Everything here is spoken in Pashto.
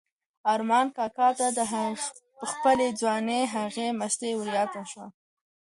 ارمان کاکا ته د خپلې ځوانۍ هغه مستۍ وریادې شوې.